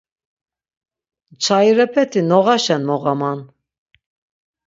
Nçayirepeti noğaşen moğaman.